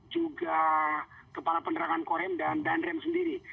juga kepala penerangan korem dan danrem sendiri